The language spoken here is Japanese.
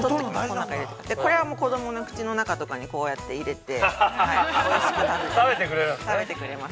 これは子供の口の入るとか、こうやっていれて、おいしく食べてくれます。